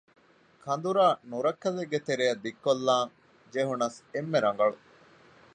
ކަނދުރާ ނުރައްކަލެއްގެ ތެރެއަށް ދިއްކޮށްލާން ޖެހުނަސް އެންމެ ރަނގަޅު